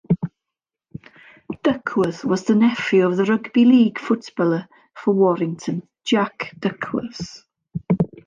Duckworth was the nephew of the rugby league footballer for Warrington, Jack Duckworth.